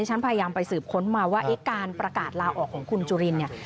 ฉันพยายามไปสืบค้นมาว่าเอ๊ะการประกาศลาออกของคุณจุลินเนี่ย